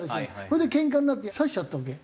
それでけんかになって刺しちゃったわけ。